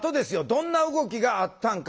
どんな動きがあったんかね？